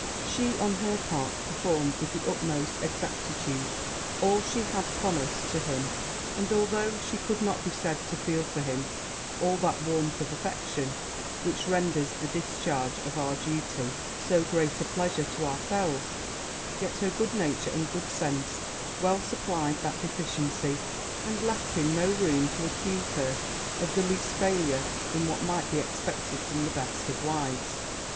She, on her part, performed with the utmost exactitude all she had promised to him; and though she could not be said to feel for him all that warmth of affection which renders the discharge of our duty so great a pleasure to ourselves, yet her good nature and good sense well supplied that deficiency, and left him no room to accuse her of the least failure in what might be expected from the best of wives.